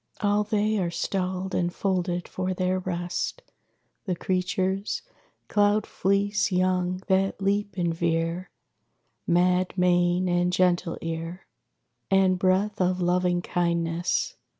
All they are stalled and folded for their rest, The creatures: cloud fleece young that leap and veer; Mad mane and gentle ear; And breath of loving kindness.